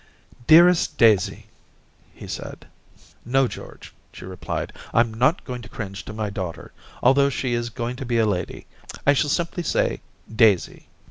* Dearest Daisy !* he said. * No, George,' she replied, ' Tm not going to cringe to my daughter, although she is go ing to be a lady ; I shall simply say, " Daisy.'